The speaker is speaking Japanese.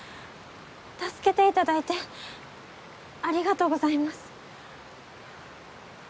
助けていただいてありがとうございます。